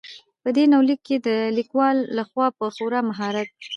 په دې يونليک کې د ليکوال لخوا په خورا مهارت.